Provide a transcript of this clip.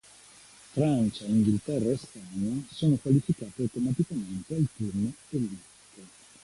Francia, Inghilterra e Spagna sono qualificate automaticamente al Turno Elite.